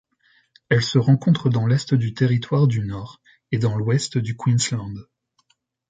Elle se rencontre dans l'Est du Territoire du Nord et dans l'Ouest du Queensland.